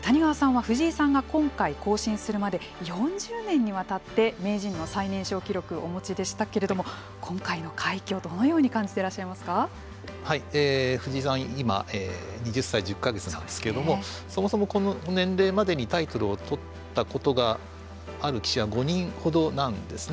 谷川さんは藤井さんが今回更新するまで４０年にわたって名人の最年少記録お持ちでしたけれども今回の快挙、どのように藤井さん、今２０歳１０か月なんですけどもそもそも、この年齢までにタイトルを取ったことがある棋士は５人ほどなんですね。